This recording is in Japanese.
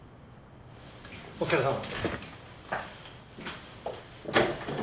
お疲れさま。